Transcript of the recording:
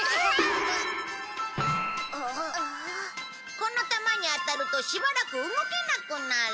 この弾に当たるとしばらく動けなくなる。